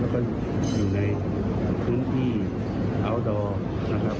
แล้วก็อยู่ในพื้นที่อัลดอร์นะครับ